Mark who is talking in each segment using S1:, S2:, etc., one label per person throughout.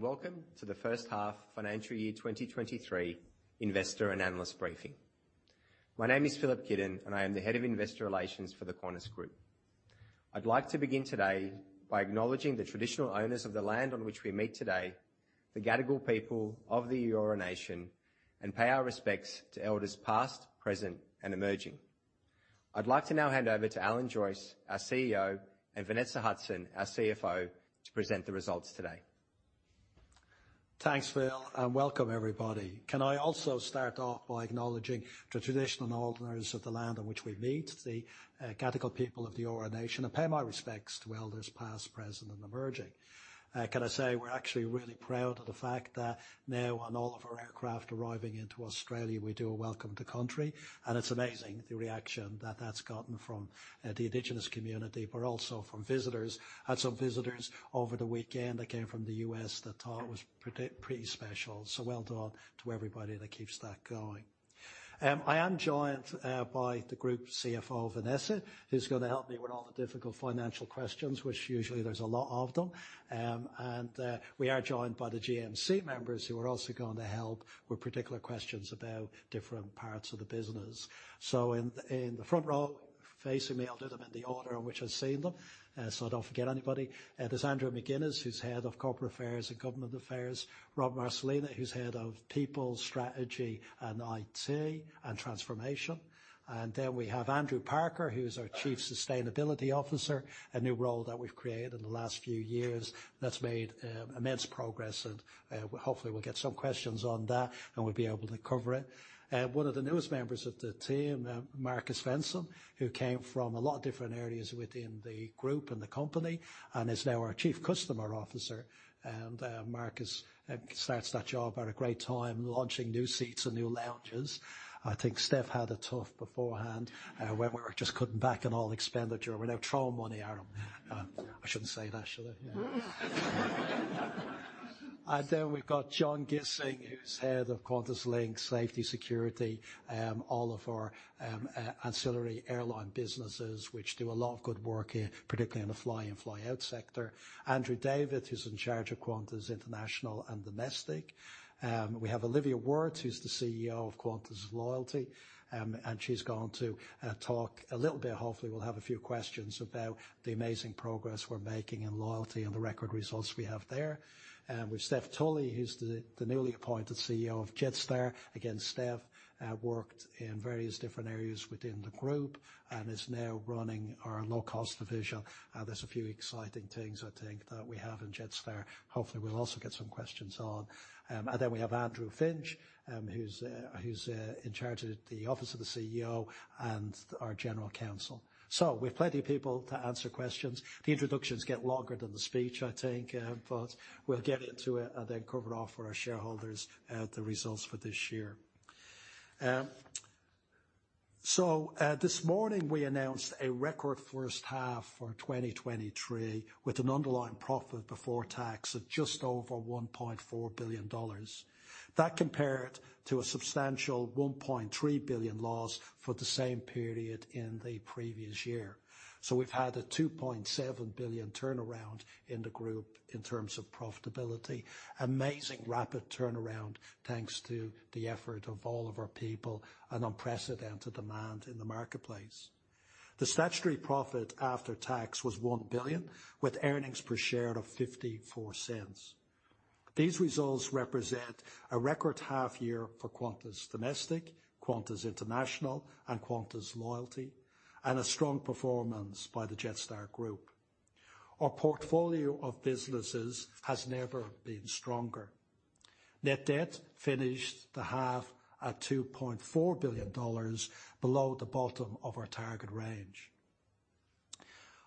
S1: Welcome to the first 1/2 financial year 2023 investor and analyst briefing. My name is Filip Kidon, and I am the head of investor relations for the Qantas Group. I'd like to begin today by acknowledging the traditional owners of the land on which we meet today, the Gadigal people of the Eora Nation, and pay our respects to elders past, present, and emerging. I'd like to now hand over to Alan Joyce, our CEO, and Vanessa Hudson, our CFO, to present the results today.
S2: Thanks, Filip. Welcome everybody. Can I also start off by acknowledging the traditional owners of the land on which we meet, the Gadigal people of the Eora Nation, and pay my respects to elders past, present, and emerging. Can I say we're actually really proud of the fact that now on all of our aircraft arriving into Australia, we do a welcome to country, and it's amazing the reaction that that's gotten from the Indigenous community, but also from visitors. Had some visitors over the weekend that came from the U.S. that thought it was pretty special. Well done to everybody that keeps that going. I am joined by the Group CFO, Vanessa, who's gonna help me with all the difficult financial questions, which usually there's a lot of them. We are joined by the GMC members who are also gonna help with particular questions about different parts of the business. In the front row facing me, I'll do them in the order in which I see them, so I don't forget anybody. There's Andrew McGinnes, who's Head of Corporate Affairs and Government Affairs. Rob Marcolina, who's Head of People, Strategy, and IT and Transformation. Then we have Andrew Parker, who is our Chief Sustainability Officer, a new role that we've created in the last few years that's made immense progress and hopefully we'll get some questions on that, and we'll be able to cover it. One of the newest members of the team, Marcus Svensson, who came from a lot of different areas within the group and the company and is now our Chief Customer Officer. Marcus starts that job at a great time, launching new seats and new lounges. I think Stephanie had it tough beforehand, when we were just cutting back on all expenditure. We're now throwing money at him. I shouldn't say that, should I? We've got John Gissing, who's head of QantasLink Safety, Security, all of our ancillary airline businesses, which do a lot of good work, particularly in the fly in, fly out sector. Andrew David, who's in charge of Qantas International and Domestic. We have Olivia Wirth, who's the CEO of Qantas Loyalty. She's going to talk a little bit. Hopefully, we'll have a few questions about the amazing progress we're making in Loyalty and the record results we have there. With Stephanieanie Tully, who's the newly appointed CEO of Jetstar. Again, Stef worked in various different areas within the group and is now running our low-cost division. There's a few exciting things I think that we have in Jetstar. Hopefully, we'll also get some questions on. And then we have Andrew Finch, who's in charge of the Office of the CEO and our General Counsel. We've plenty of people to answer questions. The introductions get longer than the speech, I think, but we'll get into it and then cover it off for our shareholders, the results for this year. This morning we announced a record first 1/2 for 2023, with an underlying profit before tax of just over AUD 1.4 billion. That compared to a substantial 1.3 billion loss for the same period in the previous year. We've had a $2.7 billion turnaround in the Group in terms of profitability. Amazing rapid turnaround thanks to the effort of all of our people and unprecedented demand in the marketplace. The statutory profit after tax was $1 billion, with earnings per share of $0.54. These results represent a record 1/2 year for Qantas Domestic, Qantas International, and Qantas Loyalty, and a strong performance by the Jetstar Group. Our portfolio of businesses has never been stronger. Net debt finished the 1/2 at $2.4 billion, below the bottom of our target range.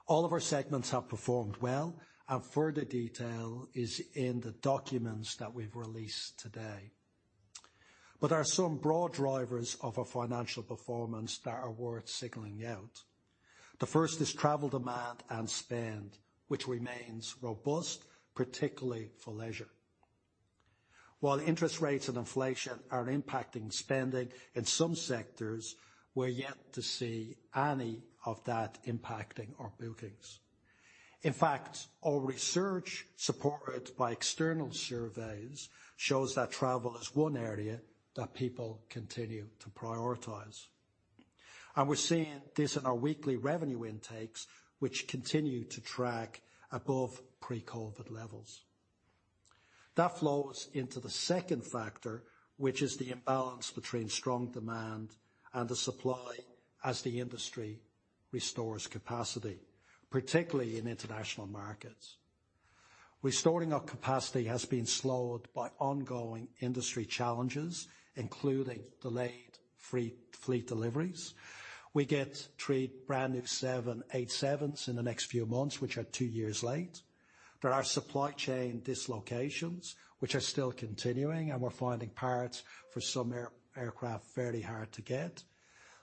S2: All of our segments have performed well, and further detail is in the documents that we've released today. There are some broad drivers of our financial performance that are worth signaling out. The first is travel demand and spend, which remains robust, particularly for leisure. While interest rates and inflation are impacting spending in some sectors, we're yet to see any of that impacting our bookings. In fact, our research, supported by external surveys, shows that travel is one area that people continue to prioritize. We're seeing this in our weekly revenue intakes, which continue to track above pre-COVID levels. That flows into the second factor, which is the imbalance between strong demand and the supply as the industry restores capacity, particularly in international markets. Restoring our capacity has been slowed by ongoing industry challenges, including delayed fleet deliveries. We get 3 brand new 787s in the next few months, which are 2 years late. There are supply chain dislocations, which are still continuing, and we're finding parts for some aircraft fairly hard to get.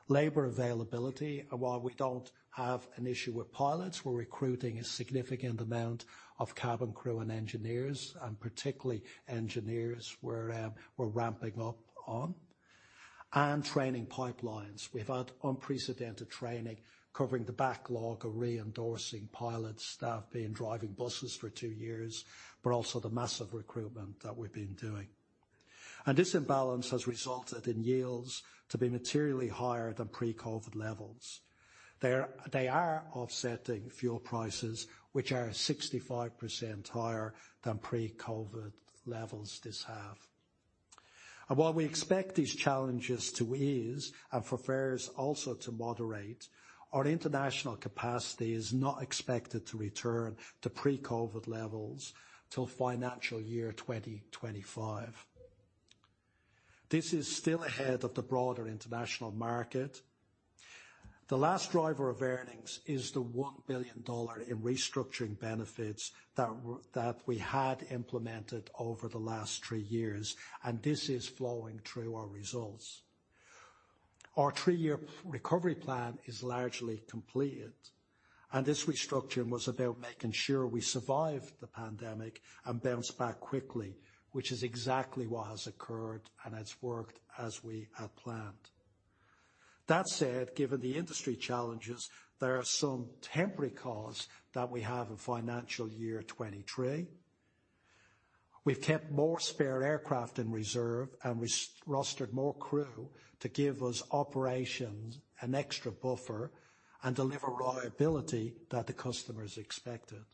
S2: Labor availability. While we don't have an issue with pilots, we're recruiting a significant amount of cabin crew and engineers, particularly engineers we're ramping up on. Training pipelines. We've had unprecedented training covering the backlog of re-endorsing pilot staff being driving buses for 2 years, also the massive recruitment that we've been doing. This imbalance has resulted in yields to be materially higher than pre-COVID levels. They are offsetting fuel prices, which are 65% higher than pre-COVID levels this 1/2. While we expect these challenges to ease and for fares also to moderate, our international capacity is not expected to return to pre-COVID levels till financial year 2025. This is still ahead of the broader international market. The last driver of earnings is the 1 billion dollar in restructuring benefits that we had implemented over the last 3 years. This is flowing through our results. Our 3-year recovery plan is largely completed. This restructuring was about making sure we survived the pandemic and bounce back quickly, which is exactly what has occurred and it's worked as we had planned. That said, given the industry challenges, there are some temporary costs that we have in financial year 23. We've kept more spare aircraft in reserve. We rostered more crew to give us operations an extra buffer and deliver reliability that the customers expected.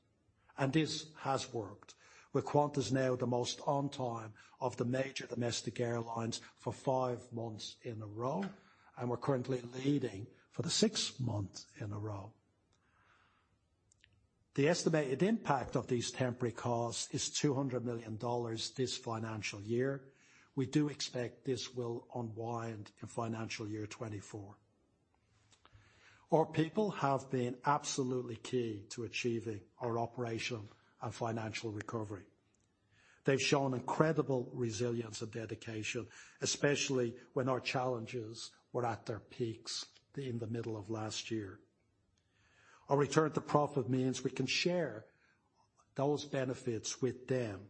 S2: This has worked. With Qantas now the most on time of the major domestic airlines for 5 months in a row. We're currently leading for the sixth month in a row. The estimated impact of these temporary costs is 200 million dollars this financial year. We do expect this will unwind in financial year 2024. Our people have been absolutely key to achieving our operation and financial recovery. They've shown incredible resilience and dedication, especially when our challenges were at their peaks in the middle of last year. Our return to profit means we can share those benefits with them,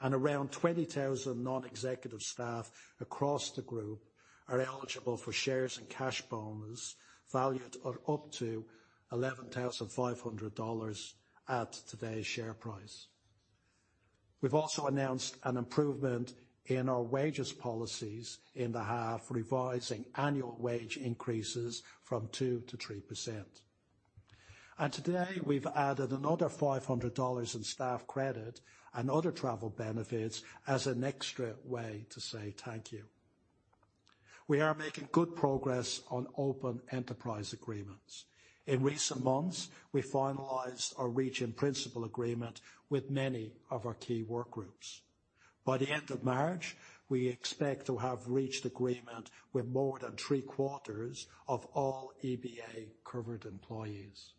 S2: and around 20,000 non-executive staff across the group are eligible for shares and cash bonuses valued at up to AUD 11,500 at today's share price. We've also announced an improvement in our wages policies in the 1/2, revising annual wage increases from 2% to 3%. Today we've added another 500 dollars in staff credit and other travel benefits as an extra way to say thank you. We are making good progress on open enterprise agreements. In recent months, we finalized or reach in principle agreement with many of our key work groups. By the end of March, we expect to have reached agreement with more than 3-1/4s of all EBITDA-covered employees.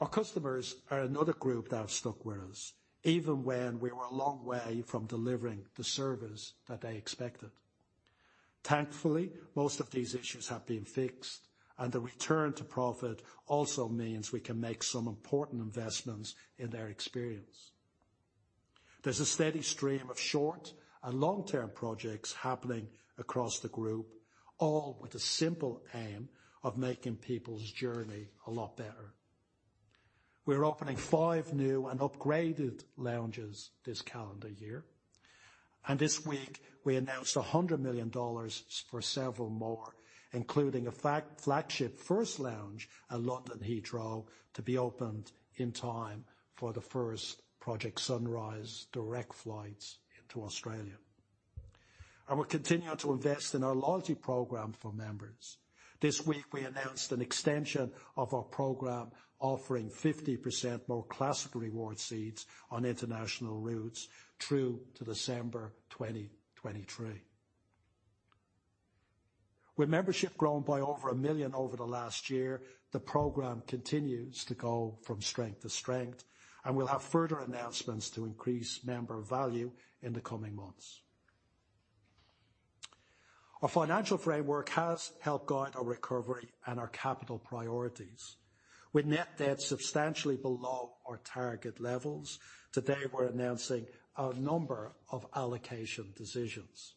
S2: Our customers are another group that have stuck with us, even when we were a long way from delivering the service that they expected. Thankfully, most of these issues have been fixed, the return to profit also means we can make some important investments in their experience. There's a steady stream of short and long-term projects happening across the group, all with the simple aim of making people's journey a lot better. We're opening 5 new and upgraded lounges this calendar year. This week we announced $100 million for several more, including a flagship first lounge at London Heathrow to be opened in time for the first Project Sunrise direct flights into Australia. We're continuing to invest in our loyalty program for members. This week we announced an extension of our program offering 50% more classic reward seats on international routes through to December 2023. With membership grown by over 1 million over the last year, the program continues to go from strength to strength, and we'll have further announcements to increase member value in the coming months. Our financial framework has helped guide our recovery and our capital priorities. With net debt substantially below our target levels, today we're announcing a number of allocation decisions.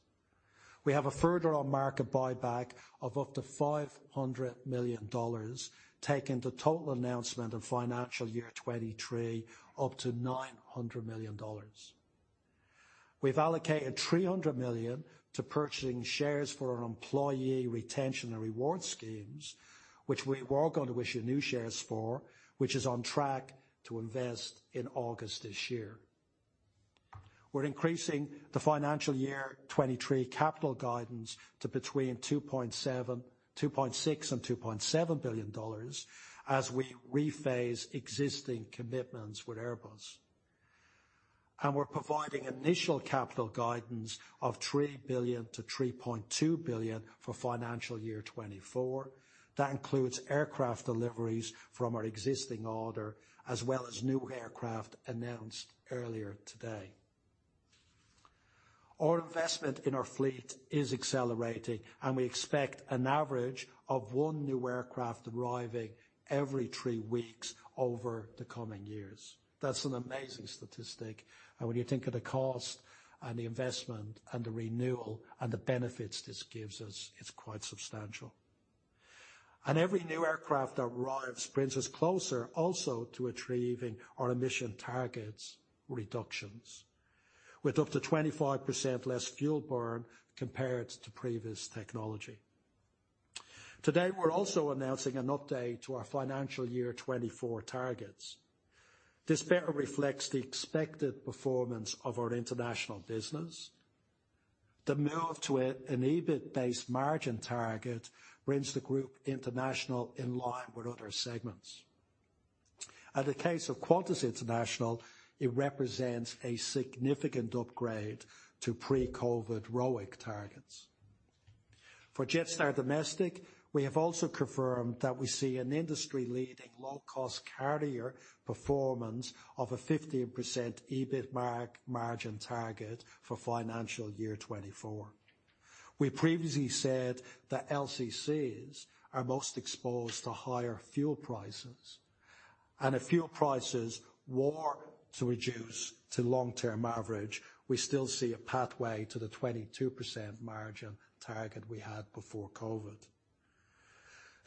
S2: We have a further On-Market buyback of up to $500 million, taking the total announcement of financial year 2023 up to $900 million. We've allocated $300 million to purchasing shares for our employee retention and reward schemes, which we were going to issue new shares for, which is on track to invest in August this year. We're increasing the financial year 2023 capital guidance to between $2.6 billion and $2.7 billion, as we rephase existing commitments with Airbus. We're providing initial capital guidance of $3 billion to $3.2 billion for financial year 2024. That includes aircraft deliveries from our existing order, as well as new aircraft announced earlier today. Our investment in our fleet is accelerating, and we expect an average of one new aircraft arriving every 3 weeks over the coming years. That's an amazing statistic. When you think of the cost and the investment and the renewal and the benefits this gives us, it's quite substantial. Every new aircraft that arrives brings us closer also to achieving our emission targets reductions with up to 25% less fuel burn compared to previous technology. Today, we're also announcing an update to our financial year 2024 targets. This better reflects the expected performance of our international business. The move to an EBITDA-based margin target brings the Group International in line with other segments. At the case of Qantas International, it represents a significant upgrade to pre-COVID ROIC targets. For Jetstar Domestic, we have also confirmed that we see an industry-leading low-cost carrier performance of a 15% EBITDA margin target for financial year 2024. We previously said that LCCs are most exposed to higher fuel prices, and if fuel prices were to reduce to long-term average, we still see a pathway to the 22% margin target we had before COVID.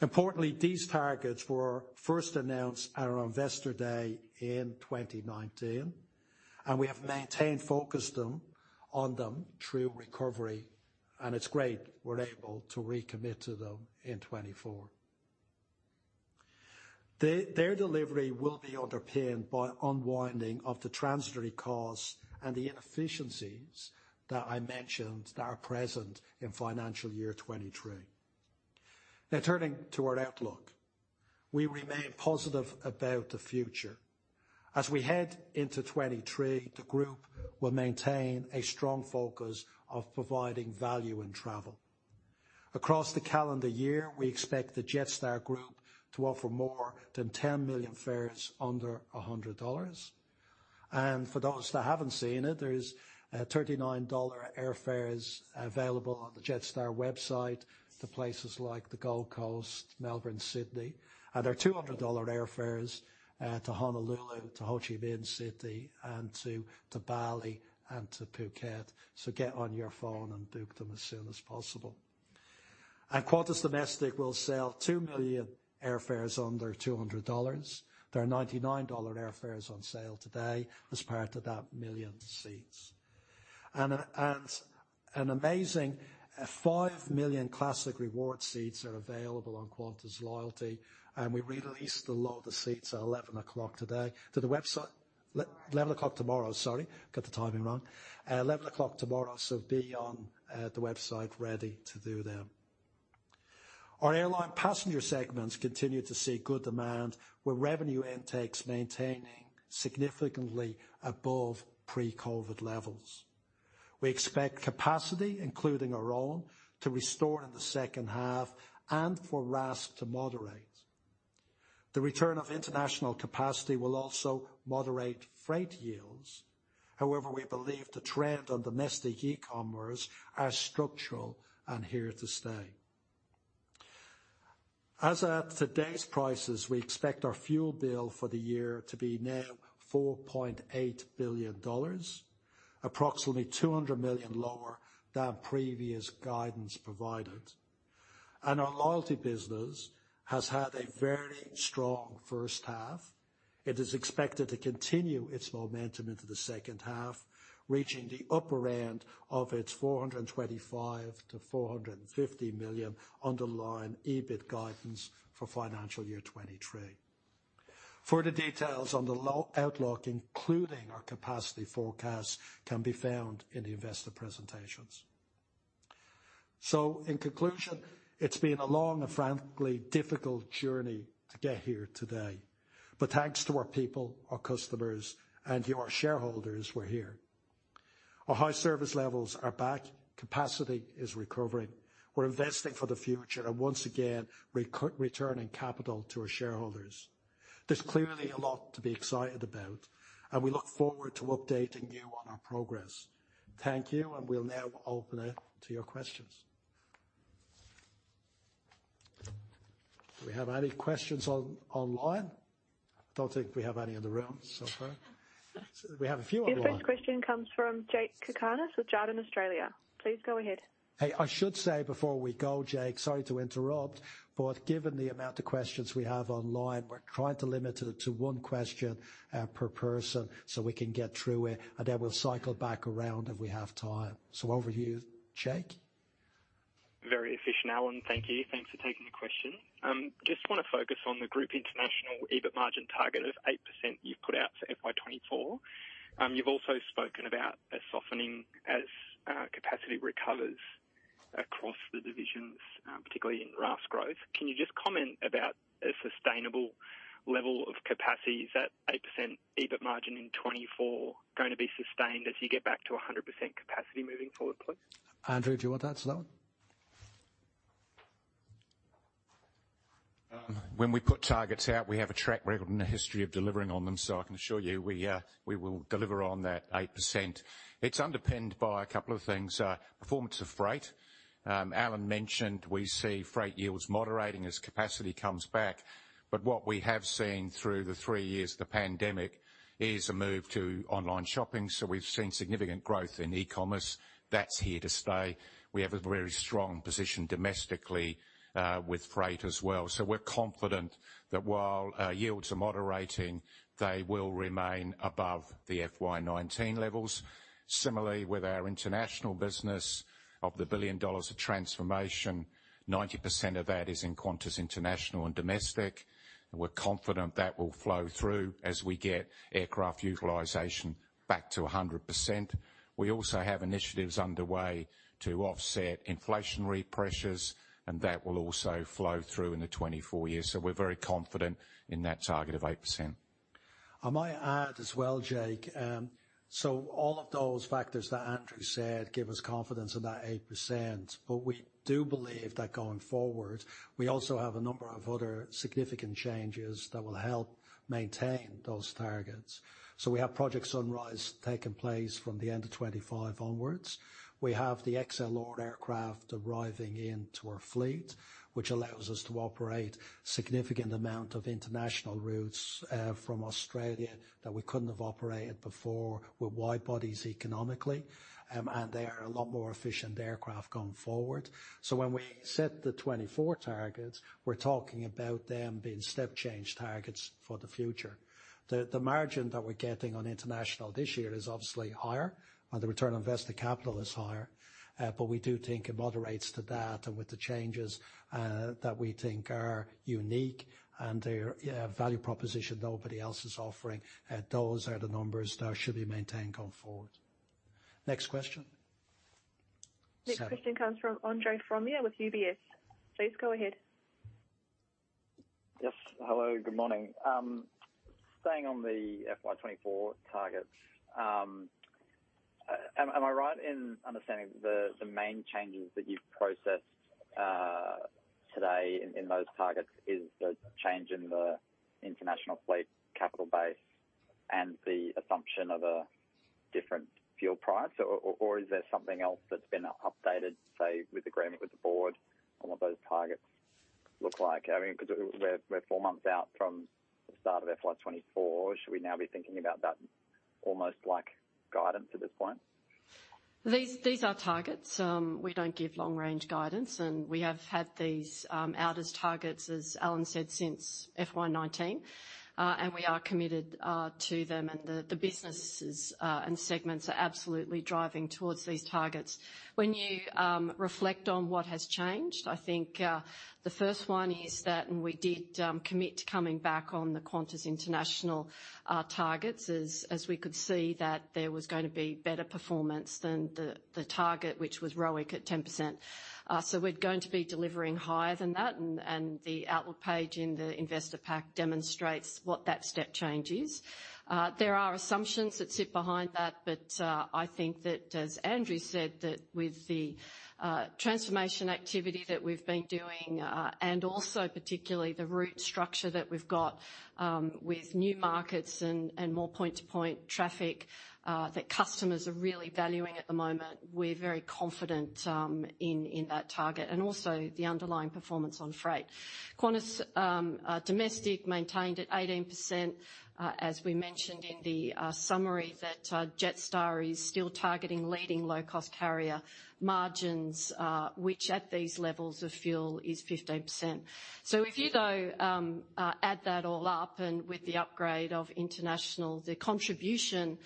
S2: Importantly, these targets were first announced at our investor day in 2019, and we have maintained focus on them through recovery, and it's great we're able to recommit to them in 2024. Their delivery will be underpinned by unwinding of the transitory cause and the inefficiencies that I mentioned that are present in financial year 2023. Turning to our outlook. We remain positive about the future. As we head into 2023, the Group will maintain a strong focus of providing value in travel. Across the calendar year, we expect the Jetstar Group to offer more than 10 million fares under 100 dollars. For those that haven't seen it, there is 39 dollar airfares available on the Jetstar website to places like the Gold Coast, Melbourne, Sydney. There are 200 dollar airfares to Honolulu, to Ho Chi Minh City and to Bali and to Phuket. Get on your phone and book them as soon as possible. Qantas Domestic will sell 2 million airfares under 200 dollars. There are 99 dollar airfares on sale today as part of that 1 million seats. An amazing 5 million classic reward seats are available on Qantas Loyalty, and we release the lot of the seats at 11:00 A.M. today. 11:00 A.M. tomorrow, sorry. Got the timing wrong. 11:00 A.M. tomorrow, be on the website ready to do them. Our airline passenger segments continue to see good demand, with revenue intakes maintaining significantly above Pre-COVID levels. We expect capacity, including our own, to restore in the second 1/2 and for RASK to moderate. The return of international capacity will also moderate freight yields. We believe the trend on domestic E-commerce are structural and here to stay. As at today's prices, we expect our fuel bill for the year to be now 4.8 billion dollars, approximately 200 million lower than previous guidance provided. Our loyalty business has had a very strong first 1/2. It is expected to continue its momentum into the second 1/2, reaching the upper end of its 425 Million-450 million underlying EBITDA guidance for financial year 2023. Further details on the outlook, including our capacity forecast, can be found in the investor presentations. In conclusion, it's been a long and frankly difficult journey to get here today. Thanks to our people, our customers, and your shareholders, we're here. Our high service levels are back. Capacity is recovering. We're investing for the future and once again Re-Returning capital to our shareholders. There's clearly a lot to be excited about, and we look forward to updating you on our progress. Thank you. We'll now open it to your questions. Do we have any questions online? I don't think we have any in the room so far. We have a few online.
S3: Your first question comes from Jacob Cakarnis with Jarden Australia. Please go ahead.
S2: I should say before we go, Jake, sorry to interrupt, but given the amount of questions we have online, we're trying to limit it to one question per person, so we can get through it, and then we'll cycle back around if we have time. Over to you, Jake.
S4: Very efficient, Alan. Thank you. Thanks for taking the question. Just wanna focus on the group international EBITDA margin target of 8% you've put out for FY 2024. You've also spoken about a softening as capacity recovers across the divisions, particularly in RASK growth. Can you just comment about a sustainable level of capacity? Is that 8% EBITDA margin in 2024 gonna be sustained as you get back to 100% capacity moving forward, please?
S2: Andrew, do you want that as well?
S5: When we put targets out, we have a track record and a history of delivering on them. I can assure you, we will deliver on that 8%. It's underpinned by a couple of things. Performance of freight. Alan mentioned we see freight yields moderating as capacity comes back. What we have seen through the 3 years of the pandemic is a move to online shopping. We've seen significant growth in e-commerce. That's here to stay. We have a very strong position domestically with freight as well. We're confident that while our yields are moderating, they will remain above the FY19 levels. Similarly, with our international business of the 1 billion dollars of transformation, 90% of that is in Qantas International and Domestic, and we're confident that will flow through as we get aircraft utilization back to 100%. We also have initiatives underway to offset inflationary pressures. That will also flow through in the 2024 years. We're very confident in that target of 8%.
S2: I might add as well, Jake, all of those factors that Andrew said give us confidence in that 8%. We do believe that going forward, we also have a number of other significant changes that will help maintain those targets. We have Project Sunrise taking place from the end of 25 onwards. We have the XL aircraft arriving into our fleet, which allows us to operate significant amount of international routes from Australia that we couldn't have operated before with wide bodies economically. They are a lot more efficient aircraft going forward. When we set the 24 targets, we're talking about them being step change targets for the future. The margin that we're getting on international this year is obviously higher, the return on invested capital is higher. We do think it moderates to that and with the changes that we think are unique and they're value proposition nobody else is offering, those are the numbers that should be maintained going forward. Next question.
S3: Next question comes from Andre Fromyhr with UBS. Please go ahead.
S6: Yes, hello, good morning. Staying on the FY24 targets, am I right in understanding the main changes that you've processed today in those targets is the change in the International fleet capital base and the assumption of a different fuel price? Is there something else that's been updated, say, with agreement with the Board on what those targets look like? I mean, 'cause we're 4 months out from the start of FY24. Should we now be thinking about that almost like guidance at this point?
S7: These are targets. We don't give long range guidance, we have had these out as targets, as Alan said, since FY19. We are committed to them. The businesses and segments are absolutely driving towards these targets. When you reflect on what has changed, I think, the first one is that we did commit to coming back on the Qantas International targets as we could see that there was gonna be better performance than the target, which was ROIC at 10%. We're going to be delivering higher than that. The outlook page in the investor pack demonstrates what that step change is. There are assumptions that sit behind that, I think that, as Andrew said, that with the transformation activity that we've been doing, and also particularly the route structure that we've got, with new markets and more Point-To-Point traffic, that customers are really valuing at the moment, we're very confident in that target and also the underlying performance on freight. Qantas domestic maintained at 18%, as we mentioned in the summary, that Jetstar is still targeting leading low-cost carrier margins, which at these levels of fuel is 15%. If you add that all up, and with the upgrade of international, the contribution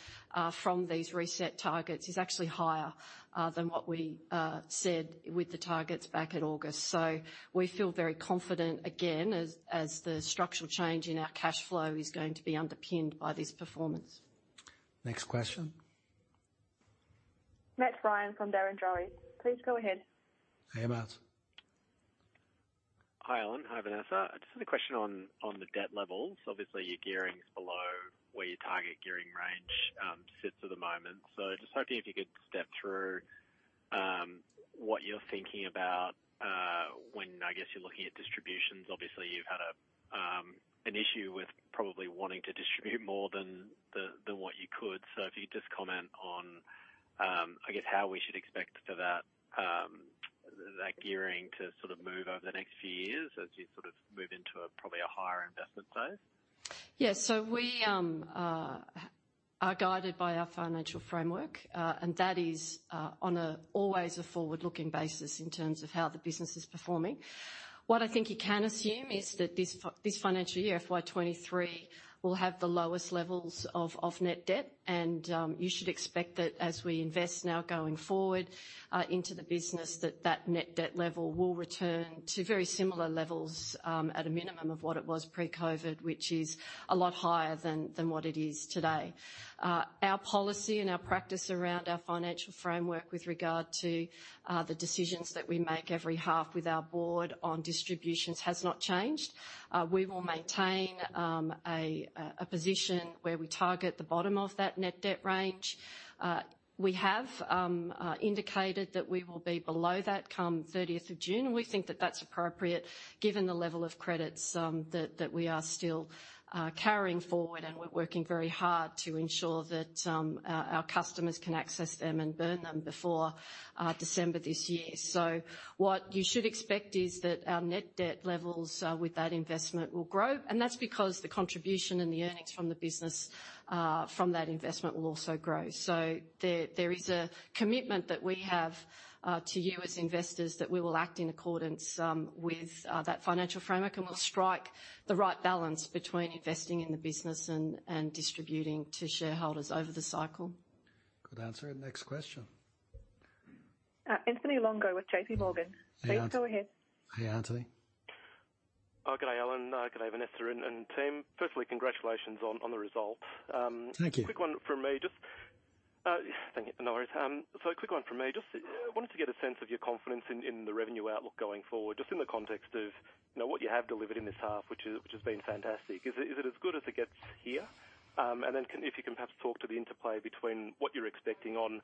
S7: from these reset targets is actually higher than what we said with the targets back in August. We feel very confident, again, as the structural change in our cash flow is going to be underpinned by this performance.
S2: Next question.
S3: Matthew Ryan from Barrenjoey. Please go ahead.
S2: Hey, Mathew.
S5: Hi, Alan. Hi, Vanessa. Just had a question on the debt levels. Obviously, your gearing's below where your target gearing range sits at the moment. Just hoping if you could step through what you're thinking about when, I guess, you're looking at distributions. Obviously, you've had an issue with probably wanting to distribute more than what you could. If you could just comment on, I guess, how we should expect for that gearing to sort of move over the next few years as you sort of move into a probably a higher investment phase.
S7: We are guided by our financial framework, and that is always a Forward-Looking basis in terms of how the business is performing. What I think you can assume is that this financial year, FY23, will have the lowest levels of net debt. You should expect that as we invest now going forward into the business that net debt level will return to very similar levels at a minimum of what it was pre-COVID, which is a lot higher than what it is today. Our policy and our practice around our financial framework with regard to the decisions that we make every 1/2 with our board on distributions has not changed. We will maintain a position where we target the bottom of that net debt range. We have indicated that we will be below that come 30th of June. We think that that's appropriate given the level of credits that we are still carrying forward, and we're working very hard to ensure that our customers can access them and burn them before December this year. What you should expect is that our net debt levels with that investment will grow. That's because the contribution and the earnings from the business from that investment will also grow. There is a commitment that we have to you as investors that we will act in accordance with that financial framework, and we'll strike the right balance between investing in the business and distributing to shareholders over the cycle.
S2: Good answer. Next question.
S3: Anthony Longo with JP Morgan.
S8: Hey, Alan.
S3: Please go ahead.
S2: Hey, Anthony.
S8: G'day, Alan. G'day, Vanessa and team. Firstly, congratulations on the result.
S2: Thank you.
S8: Quick one from me. Thank you. No worries. A quick one from me. Just wanted to get a sense of your confidence in the revenue outlook going forward, just in the context of, you know, what you have delivered in this 1/2, which has been fantastic. Is it as good as it gets here? Then if you can perhaps talk to the interplay between what you're expecting on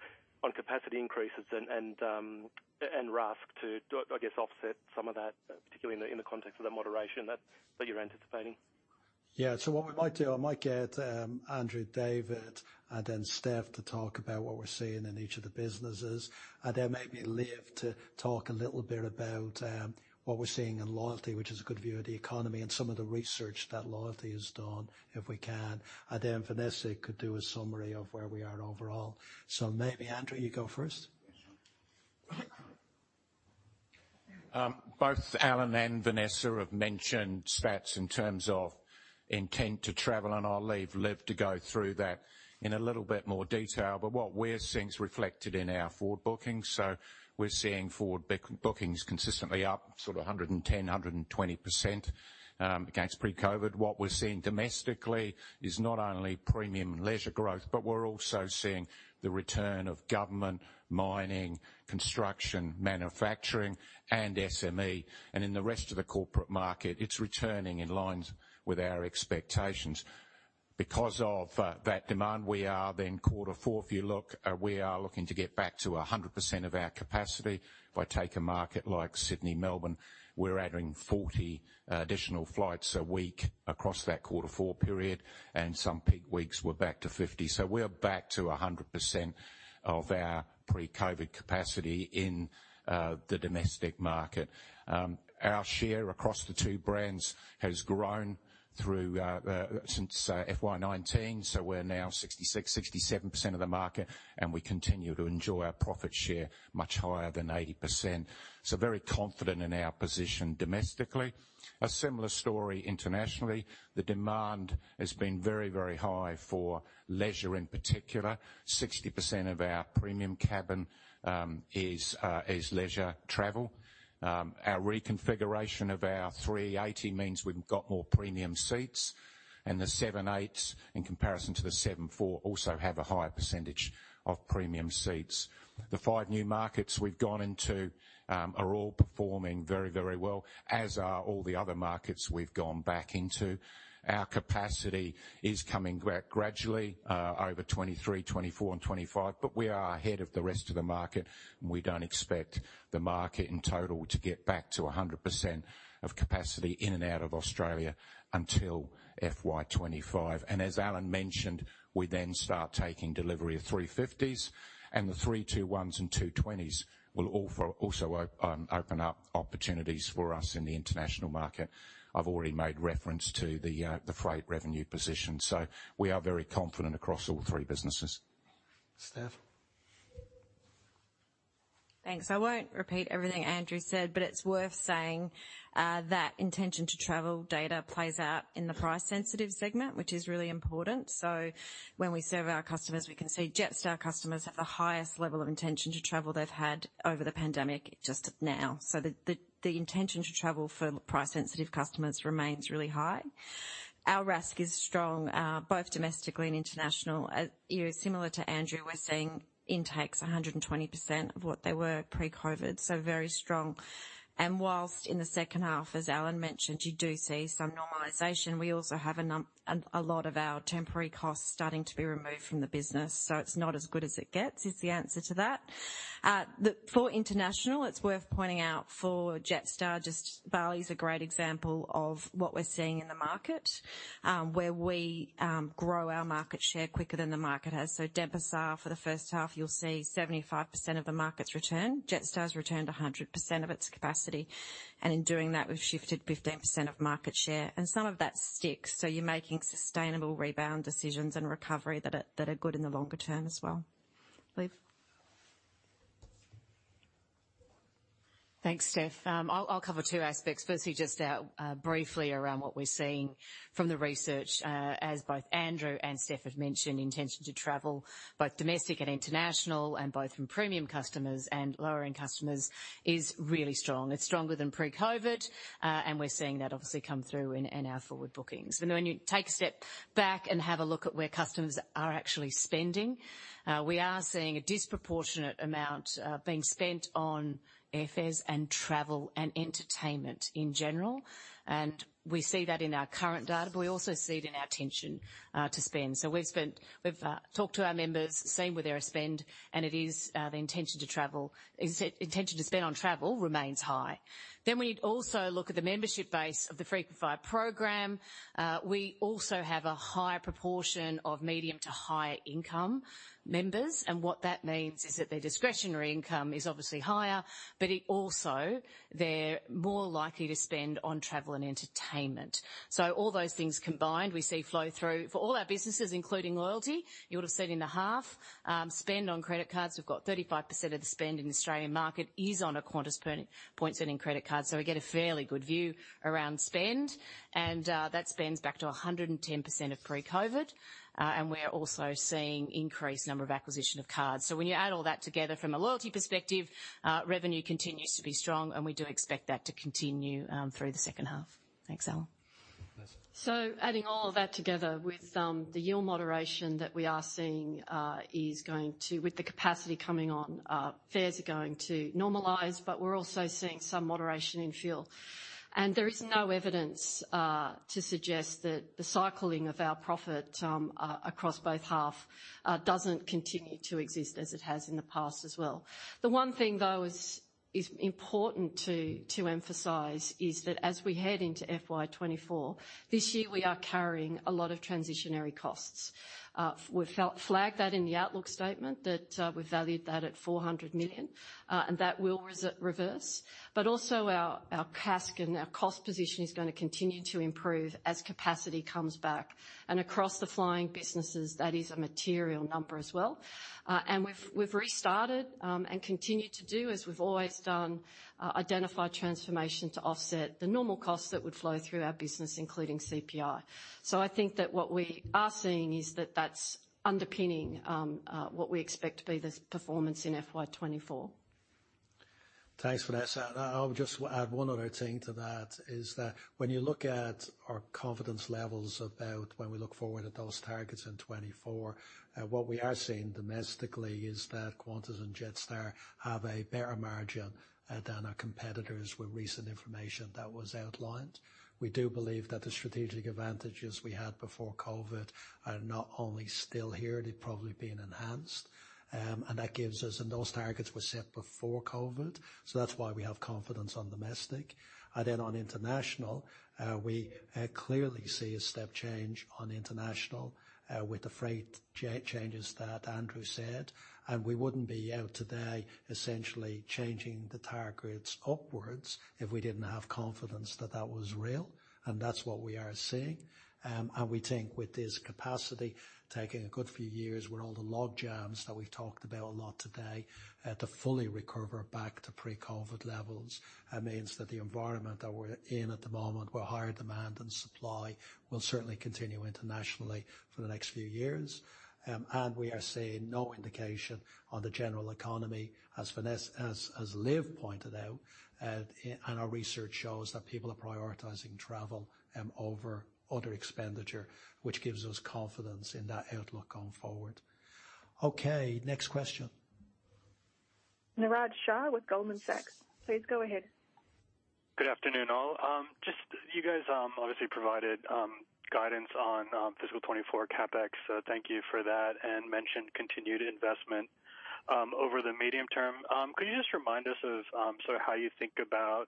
S8: capacity increases and RASK to do I guess, offset some of that, particularly in the context of the moderation that you're anticipating.
S2: What we might do, I might get Andrew David and then Stephanie to talk about what we're seeing in each of the businesses. Maybe Liv to talk a little bit about what we're seeing in loyalty, which is a good view of the economy and some of the research that Loyalty has done, if we can. Vanessa could do a summary of where we are overall. Maybe, Andrew, you go first.
S5: Both Alan and Vanessa have mentioned stats in terms of intent to travel. I'll leave Liv to go through that in a little bit more detail. What we're seeing is reflected in our forward bookings. We're seeing forward bookings consistently up sort of 110%-120% against pre-COVID. What we're seeing domestically is not only premium leisure growth, but we're also seeing the return of government, mining, construction, manufacturing, and SME. In the rest of the corporate market, it's returning in line with our expectations. Because of that demand, we are 1/4 four, if you look, we are looking to get back to 100% of our capacity. If I take a market like Sydney, Melbourne, we're adding 40 additional flights a week across that 1/4 four period, and some peak weeks we're back to 50. We're back to 100% of our pre-COVID capacity in the domestic market. Our share across the 2 brands has grown since FY 19, so we're now 66%-67% of the market, and we continue to enjoy our profit share much higher than 80%. Very confident in our position domestically. A similar story internationally. The demand has been very, very high for leisure in particular. 60% of our premium cabin is leisure travel. Our reconfiguration of our 380 means we've got more premium seats, and the 787s, in comparison to the 747, also have a higher percentage of premium seats. The five new markets we've gone into are all performing very, very well, as are all the other markets we've gone back into. Our capacity is coming gradually over 2023, 2024 and 2025. We are ahead of the rest of the market, and we don't expect the market in total to get back to 100% of capacity in and out of Australia until FY 2025. As Alan mentioned, we then start taking delivery of 350s, and the 321s and 220s will also open up opportunities for us in the international market. I've already made reference to the freight revenue position. We are very confident across all 3 businesses.
S2: Stephanie?
S9: Thanks. I won't repeat everything Andrew said, but it's worth saying that intention to travel data plays out in the price sensitive segment, which is really important. When we serve our customers, we can see Jetstar customers have the highest level of intention to travel they've had over the pandemic just now. The intention to travel for price sensitive customers remains really high. Our RASK is strong, both domestically and international. You know, similar to Andrew, we're seeing intakes 120% of what they were Pre-COVID, so very strong. Whilst in the second 1/2, as Alan mentioned, you do see some normalization, we also have a lot of our temporary costs starting to be removed from the business, so it's not as good as it gets, is the answer to that. For international, it's worth pointing out for Jetstar, just Bali is a great example of what we're seeing in the market, where we grow our market share quicker than the market has. Denpasar for the first 1/2, you'll see 75% of the market's returned. Jetstar's returned 100% of its capacity, and in doing that, we've shifted 15% of market share. Some of that sticks, so you're making sustainable rebound decisions and recovery that are good in the longer term as well. Olivia?
S10: Thanks, Stephanie. I'll cover 2 aspects. Firstly, just out briefly around what we're seeing from the research. As both Andrew and Stephanie have mentioned, intention to travel, both domestic and international, and both from premium customers and Lower-End customers is really strong. It's stronger than pre-COVID, and we're seeing that obviously come through in our forward bookings. When you take a step back and have a look at where customers are actually spending, we are seeing a disproportionate amount being spent on airfares and travel and entertainment in general. We see that in our current data, but we also see it in our intention to spend. We've talked to our members, seen where they spend, and it is intention to spend on travel remains high. We also look at the membership base of the Frequent Flyer program. We also have a higher proportion of medium to high income members. What that means is that their discretionary income is obviously higher. It also, they're more likely to spend on travel and entertainment. All those things combined, we see flow through for all our businesses, including Loyalty. You would've seen in the 1/2, spend on credit cards. We've got 35% of the spend in Australian market is on a Qantas points earning credit card. We get a fairly good view around spend, and that spend's back to 110% of Pre-COVID. We're also seeing increased number of acquisition of cards. When you add all that together from a loyalty perspective, revenue continues to be strong, and we do expect that to continue through the second 1/2. Thanks, Alan.
S7: Adding all of that together with the yield moderation that we are seeing, with the capacity coming on, fares are going to normalize, but we're also seeing some moderation in fuel. There is no evidence to suggest that the cycling of our profit across both 1/2 doesn't continue to exist as it has in the past as well. The one thing though is important to emphasize is that as we head into FY24, this year we are carrying a lot of transitionary costs. We flagged that in the outlook statement that we valued that at 400 million, and that will reverse. Also our CASK and our cost position is gonna continue to improve as capacity comes back. Across the flying businesses, that is a material number as well. we've restarted and continue to do as we've always done, identify transformation to offset the normal costs that would flow through our business, including CPI. I think that what we are seeing is that that's underpinning what we expect to be the performance in FY 2024.
S2: Thanks, Vanessa. I'll just add one other thing to that, is that when you look at our confidence levels about when we look forward at those targets in 2024, what we are seeing domestically is that Qantas and Jetstar have a better margin than our competitors with recent information that was outlined. We do believe that the strategic advantages we had before COVID are not only still here, they've probably been enhanced. That gives us. Those targets were set before COVID, so that's why we have confidence on domestic. Then on international, we clearly see a step change on international, with the freight changes that Andrew said. We wouldn't be out today essentially changing the targets upwards if we didn't have confidence that that was real, and that's what we are seeing. We think with this capacity taking a good few years with all the logjams that we've talked about a lot today, to fully recover back to pre-COVID levels, means that the environment that we're in at the moment, where higher demand and supply will certainly continue internationally for the next few years. We are seeing no indication on the general economy, as Liv pointed out, and our research shows that people are prioritizing travel, over other expenditure, which gives us confidence in that outlook going forward. Next question.
S3: Niraj Shah with Goldman Sachs, please go ahead.
S11: Good afternoon, all. Just you guys obviously provided guidance on fiscal 2024 CapEx, so thank you for that, and mentioned continued investment over the medium term. Could you just remind us of sort of how you think about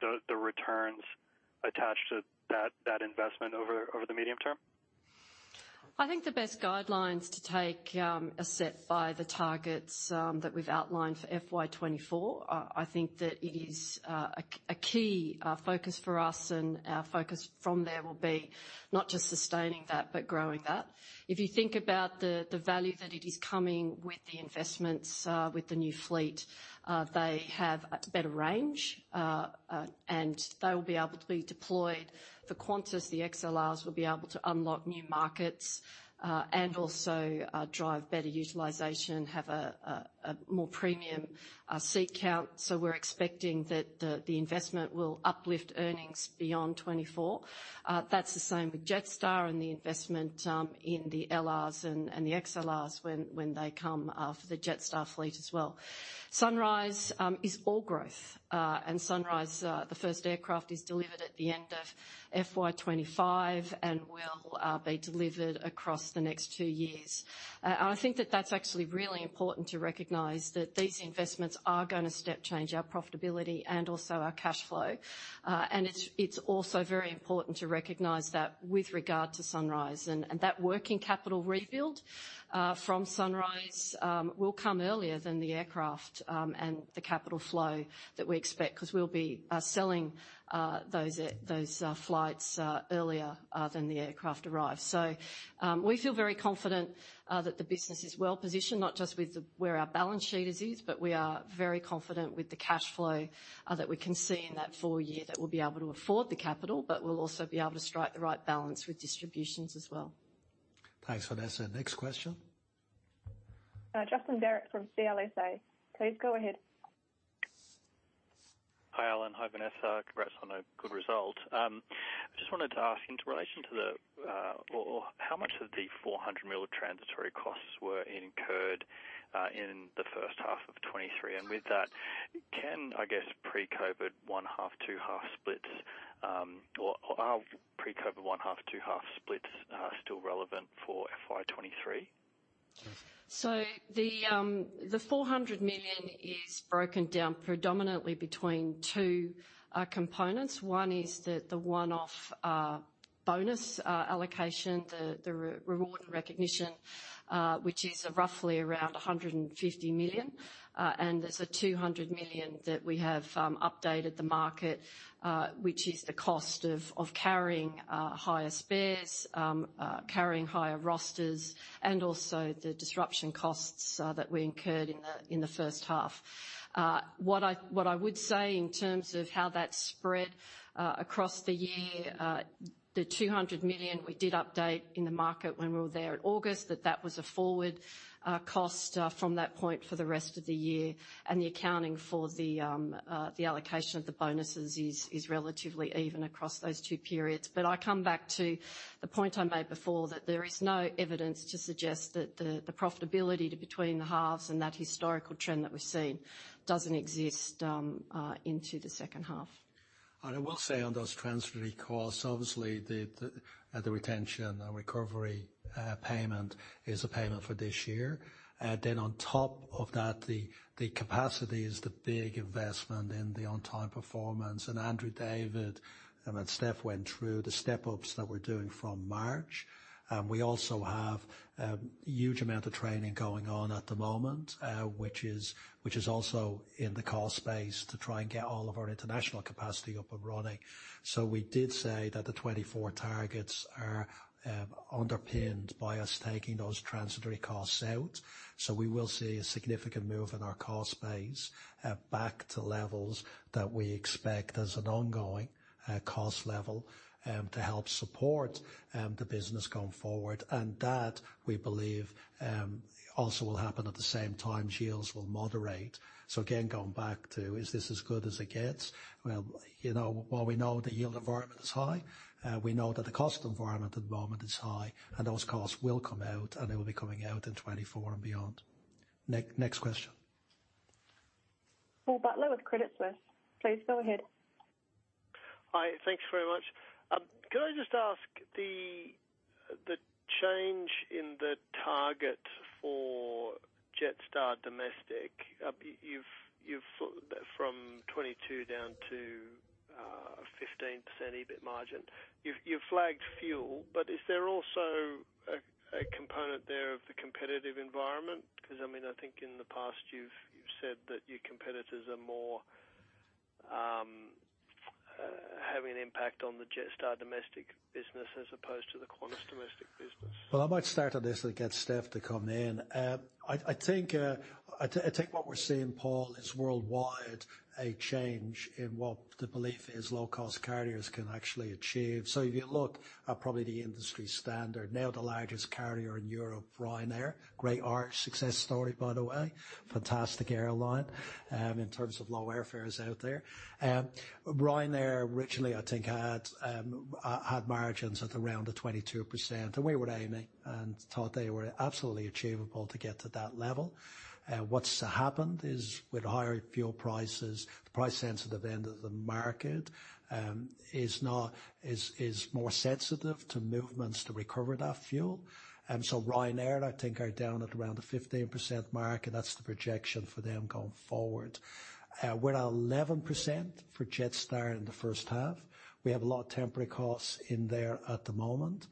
S11: the returns attached to that investment over the medium term?
S7: I think the best guidelines to take are set by the targets that we've outlined for FY 2024. I think that it is a key focus for us and our focus from there will be not just sustaining that, but growing that. If you think about the value that it is coming with the investments, with the new fleet, they have better range and they'll be able to be deployed. For Qantas, the XLRs will be able to unlock new markets and also drive better utilization, have a more premium seat count. We're expecting that the investment will uplift earnings beyond 2024. That's the same with Jetstar and the investment in the A321LR and the XLRs when they come for the Jetstar fleet as well. Sunrise is all growth. Sunrise, the first aircraft is delivered at the end of FY 2025 and will be delivered across the next 2 years. I think that that's actually really important to recognize that these investments are gonna step change our profitability and also our cash flow. It's also very important to recognize that with regard to Sunrise. That working capital rebuild from Sunrise will come earlier than the aircraft and the capital flow that we expect, 'cause we'll be selling those flights earlier than the aircraft arrive. We feel very confident that the business is well-positioned, not just with where our balance sheet is, but we are very confident with the cash flow that we can see in that full year that we'll be able to afford the capital, but we'll also be able to strike the right balance with distributions as well.
S2: Thanks, Vanessa. Next question.
S3: Justin Barratt from CLSA, please go ahead.
S12: Hi, Alan. Hi, Vanessa. Congrats on a good result. just wanted to ask in relation to the or how much of the 400 million transitory costs were incurred in the first 1/2 of 2023? with that, can I guess pre-COVID one 1/2, 2 1/2 splits, or are pre-COVID one 1/2, 2 1/2 splits still relevant for FY 2023?
S2: Vanessa?
S7: The 400 million is broken down predominantly between 2 components. One is the one-off bonus allocation, the Re-Reward and recognition, which is roughly around 150 million. There's a 200 million that we have updated the market, which is the cost of carrying higher spares, carrying higher rosters, and also the disruption costs that we incurred in the first 1/2. What I would say in terms of how that spread across the year, the 200 million we did update in the market when we were there in August, that was a forward cost from that point for the rest of the year. The accounting for the allocation of the bonuses is relatively even across those 2 periods. I come back to the point I made before, that there is no evidence to suggest that the profitability between the halves and that historical trend that we've seen doesn't exist into the second 1/2.
S2: I will say on those transitory costs, obviously the retention and recovery payment is a payment for this year. Then on top of that, the capacity is the big investment in the on-time performance, and Andrew David and then Stephanie went through the Step-Ups that we're doing from March. We also have a huge amount of training going on at the moment, which is also in the call space to try and get all of our international capacity up and running. We did say that the 24 targets are underpinned by us taking those transitory costs out. We will see a significant move in our cost base, back to levels that we expect as an ongoing cost level to help support the business going forward. That, we believe, also will happen at the same time yields will moderate. Again, going back to, is this as good as it gets? Well, you know, while we know the yield environment is high, we know that the cost environment at the moment is high, and those costs will come out, and they will be coming out in 2024 and beyond. Next question.
S3: Paul Butler with Credit Suisse. Please go ahead.
S13: Hi, thanks very much. Could I just ask the change in the target for Jetstar Domestic, you've from 22% down to 15% EBITDA margin. You've flagged fuel. Is there also a component there of the competitive environment? 'Cause I mean, I think in the past you've said that your competitors are more having an impact on the Jetstar Domestic business as opposed to the Qantas Domestic business.
S2: I might start on this and get Stephanie to come in. I think what we're seeing, Paul, is worldwide a change in what the belief is low-cost carriers can actually achieve. If you look at probably the industry standard, now the largest carrier in Europe, Ryanair, great arc success story, by the way. Fantastic airline, in terms of low airfares out there. Ryanair originally, I think, had margins at around the 22%, and we were aiming and thought they were absolutely achievable to get to that level. What's happened is with higher fuel prices, the price-sensitive end of the market is more sensitive to movements to recover that fuel. Ryanair, I think, are down at around the 15% mark, and that's the projection for them going forward. We're at 11% for Jetstar in the first 1/2. We have a lot of temporary costs in there at the moment.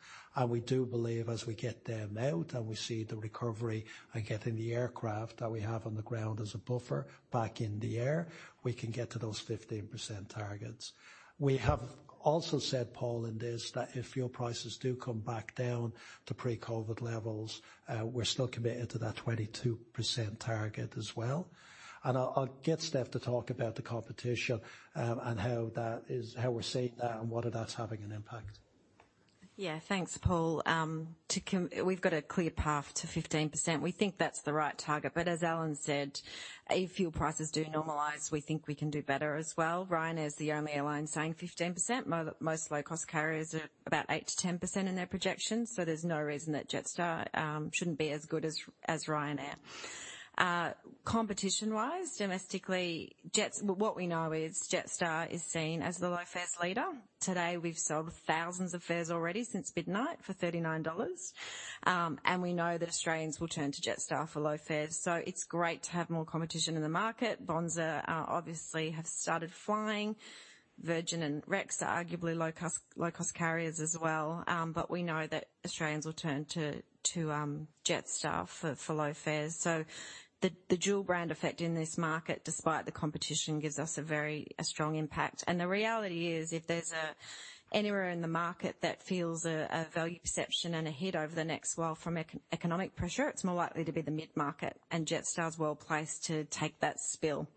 S2: We do believe as we get them out, and we see the recovery and getting the aircraft that we have on the ground as a buffer back in the air, we can get to those 15% targets. We have also said, Paul, in this, that if fuel prices do come back down to pre-COVID levels, we're still committed to that 22% target as well. I'll get Stephanie to talk about the competition, and how we're seeing that and whether that's having an impact.
S9: Thanks, Paul. We've got a clear path to 15%. We think that's the right target, but as Alan said, if fuel prices do normalize, we think we can do better as well. Ryanair is the only airline saying 15%. Most Low-Cost carriers are about 8%-10% in their projections, so there's no reason that Jetstar shouldn't be as good as Ryanair. Competition-wise, domestically, what we know is Jetstar is seen as the low-fares leader. Today, we've sold thousands of fares already since midnight for $39. We know that Australians will turn to Jetstar for low fares. It's great to have more competition in the market. Bonza obviously have started flying. Virgin and Rex are arguably low-cost carriers as well. We know that Australians will turn to Jetstar for low fares. The dual brand effect in this market, despite the competition, gives us a very strong impact. The reality is, if there's anywhere in the market that feels a value perception and a hit over the next while from economic pressure, it's more likely to be the Mid-Market, and Jetstar is well-placed to take that spill.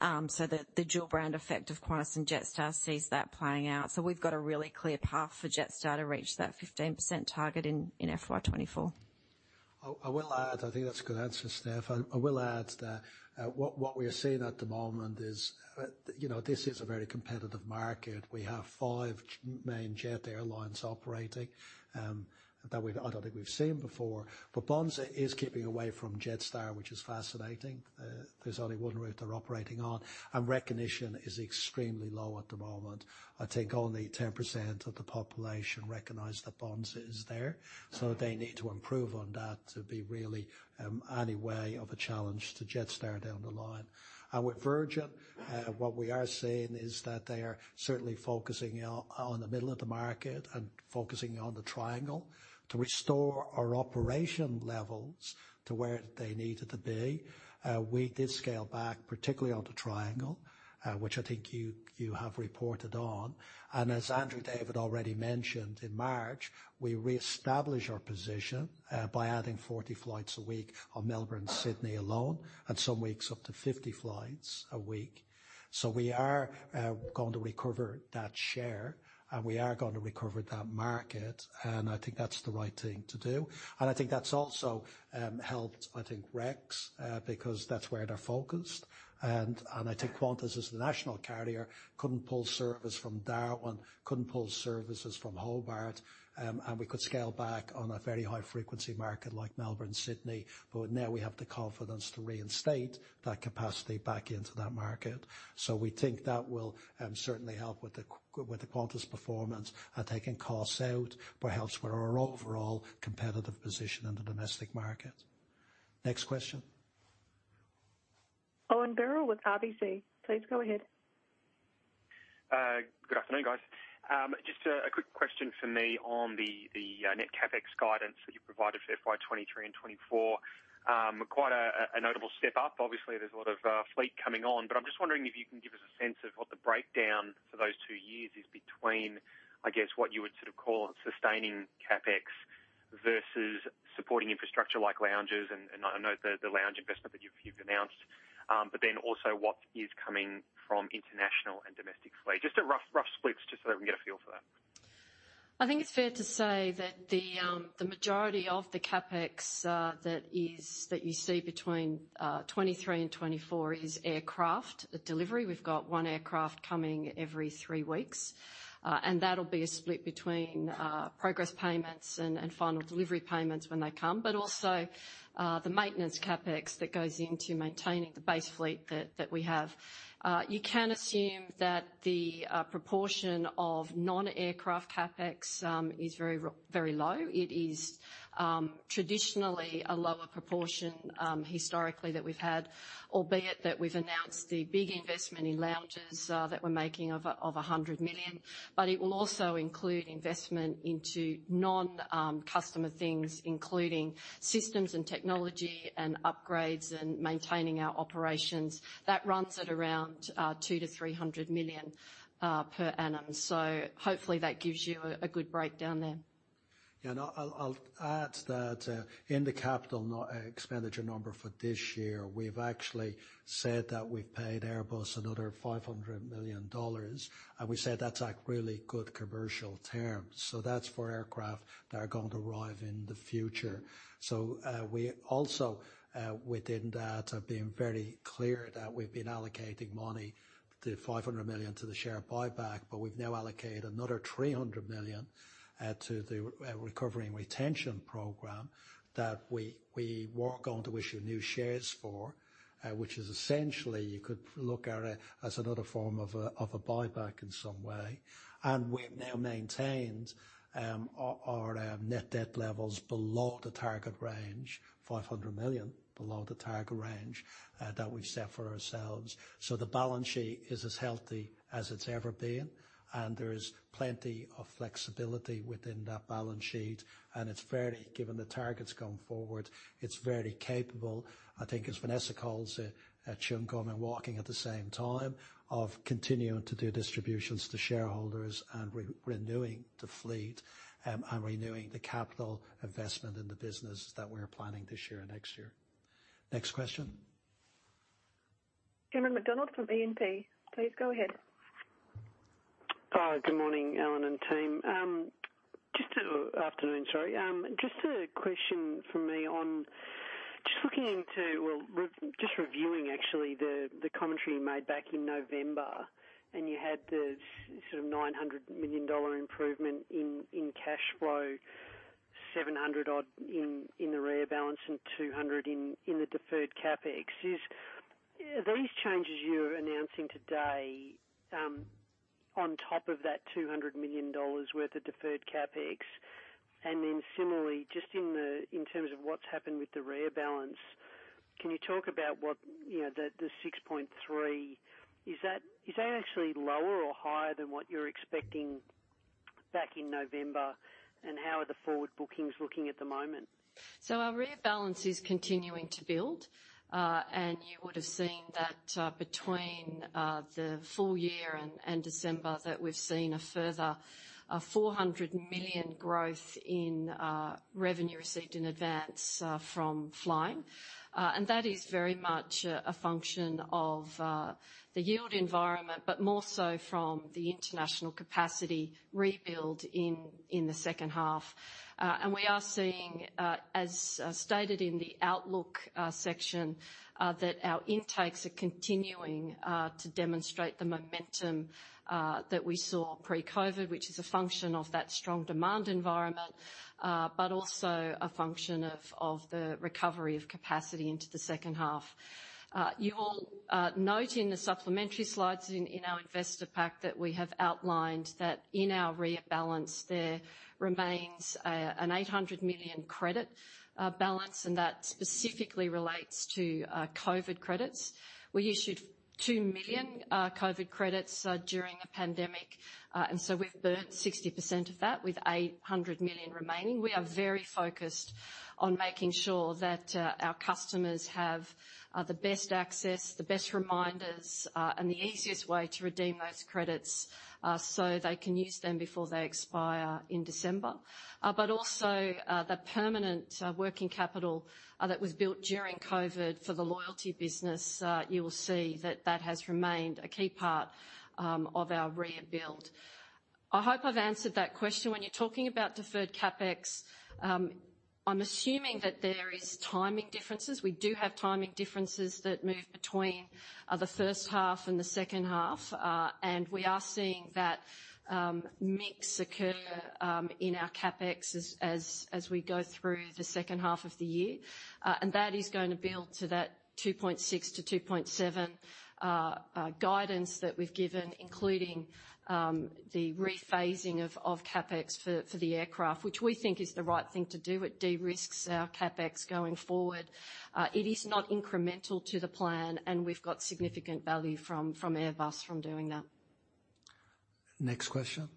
S9: The dual brand effect of Qantas and Jetstar sees that playing out. We've got a really clear path for Jetstar to reach that 15% target in FY 24.
S2: I will add, I think that's a good answer, Stephanie. I will add that what we are seeing at the moment is, you know, this is a very competitive market. We have five main jet airlines operating, that I don't think we've seen before. Bonza is keeping away from Jetstar, which is fascinating. There's only one route they're operating on, and recognition is extremely low at the moment. I think only 10% of the population recognize that Bonza is there. They need to improve on that to be really, any way of a challenge to Jetstar down the line. With Virgin, what we are seeing is that they are certainly focusing on the middle of the market and focusing on the triangle to restore our operation levels to where they needed to be. We did scale back, particularly on the triangle, which I think you have reported on. As Andrew David already mentioned, in March, we reestablish our position, by adding 40 flights a week on Melbourne-Sydney alone, and some weeks up to 50 flights a week. We are going to recover that share, and we are gonna recover that market, I think that's the right thing to do. I think that's also helped, I think, Rex, because that's where they're focused. I think Qantas as the national carrier couldn't pull service from Darwin, couldn't pull services from Hobart, and we could scale back on a very high-frequency market like Melbourne-Sydney, but now we have the confidence to reinstate that capacity back into that market. We think that will certainly help with the Qantas performance and taking costs out, but helps with our overall competitive position in the domestic market. Next question.
S3: Owen Birrell with RBC, please go ahead.
S14: Good afternoon, guys. Just a quick question for me on the net CapEx guidance that you provided for FY 2023 and 2024.Quite a notable step up. Obviously, there's a lot of fleet coming on, but I'm just wondering if you can give us a sense of what the breakdown for those 2 years is between, I guess, what you would sort of call sustaining CapEx versus supporting infrastructure like lounges, and I know the lounge investment that you've announced, but then also what is coming from international and domestic fleet. Just a rough splits, just so that we can get a feel for that.
S7: I think it's fair to say that the majority of the CapEx that you see between 23 and 24 is aircraft delivery. We've got 1 aircraft coming every 3 weeks, and that'll be a split between progress payments and final delivery payments when they come, but also the maintenance CapEx that goes into maintaining the base fleet that we have. You can assume that the proportion of non-aircraft CapEx is very low. It is traditionally a lower proportion historically that we've had, albeit that we've announced the big investment in lounges that we're making of 100 million, but it will also include investment into non-customer things, including systems and technology and upgrades and maintaining our operations. That runs at around 200 million-300 million per annum. Hopefully, that gives you a good breakdown there.
S2: I'll add to that. In the capital expenditure number for this year, we've actually said that we've paid Airbus another 500 million dollars, and we said that's at really good commercial terms. That's for aircraft that are going to arrive in the future. We also within that have been very clear that we've been allocating money, the 500 million to the share buyback, but we've now allocated another 300 million to the recovery and retention program that we were going to issue new shares for, which is essentially you could look at it as another form of a buyback in some way. We've now maintained our net debt levels below the target range, 500 million below the target range that we've set for ourselves. The balance sheet is as healthy as it's ever been, and there is plenty of flexibility within that balance sheet. Given the targets going forward, it's very capable. I think as Vanessa calls it, chewing gum and walking at the same time of continuing to do distributions to shareholders and renewing the fleet, and renewing the capital investment in the business that we're planning this year and next year. Next question.
S3: Cameron McDonald from E&P, please go ahead.
S15: Good morning, Alan and team. Afternoon, sorry. Just a question from me on just reviewing actually the commentary you made back in November. You had the sort of 900 million dollar improvement in cash flow, 700 odd in the REO balance and 200 in the deferred CapEx. Are these changes you're announcing today on top of that 200 million dollars worth of deferred CapEx? Similarly, just in terms of what's happened with the REO balance, can you talk about what, you know, the 6.3, is that actually lower or higher than what you were expecting back in November? How are the forward bookings looking at the moment?
S7: So our REO balance is continuing to build. And you would have seen that between the full year and December that we have seen a further 400 million growth in revenue received in advance from flying. And that is very much a function of the yield environment, but more so from the international capacity rebuild in the second 1/2. And we are seeing, as stated in the outlook section, that our intakes are continuing to demonstrate the momentum that we saw Pre-COVID, which is a function of that strong demand environment, but also a function of the recovery of capacity into the second 1/2. You will note in the supplementary slides in our investor pack that we have outlined that in our REO balance, there remains an 800 million credit balance, and that specifically relates to COVID credits. We issued 2 million COVID credits during the pandemic, and so we've burned 60% of that, with 800 million remaining. We are very focused on making sure that our customers have the best access, the best reminders, and the easiest way to redeem those credits so they can use them before they expire in December. Also, the permanent working capital that was built during COVID for the loyalty business, you will see that that has remained a key part of our rebuild. I hope I've answered that question. When you're talking about deferred CapEx, I'm assuming that there is timing differences. We do have timing differences that move between the first 1/2 and the second 1/2, and we are seeing that mix occur in our CapEx as we go through the second 1/2 of the year. That is gonna build to that 2.6-2.7 guidance that we've given, including the rephasing of CapEx for the aircraft, which we think is the right thing to do. It De-Risks our CapEx going forward. It is not incremental to the plan, we've got significant value from Airbus from doing that.
S2: Next question.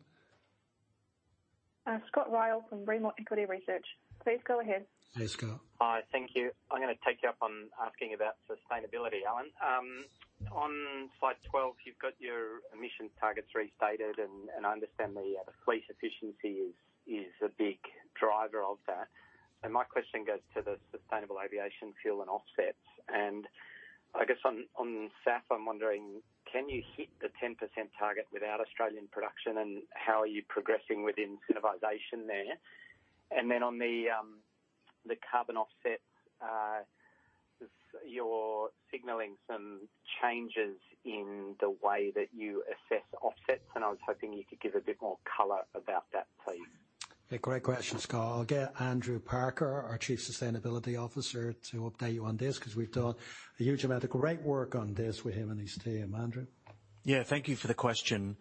S3: Scott Ryall from Rimor Equity Research. Please go ahead.
S2: Hey, Scott.
S16: Hi. Thank you. I'm gonna take you up on asking about sustainability, Alan. On slide 12, you've got your emissions targets restated, and I understand the fleet efficiency is a big driver of that. My question goes to the sustainable aviation fuel and offsets. I guess on SAF, I'm wondering, can you hit the 10% target without Australian production? How are you progressing within certification there? On the carbon offsets, you're signaling some changes in the way that you assess offsets, and I was hoping you could give a bit more color about that, please.
S2: Yeah, great question, Scott. I'll get Andrew Parker, our Chief Sustainability Officer, to update you on this, 'cause we've done a huge amount of great work on this with him and his team. Andrew?
S17: Yeah. Thank you for the question.